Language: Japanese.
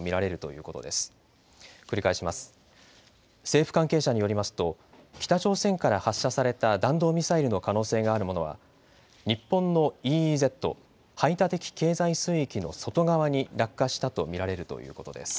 政府関係者によりますと北朝鮮から発射された弾道ミサイルの可能性があるものは日本のＥＥＺ・排他的経済水域の外側に落下したと見られるということです。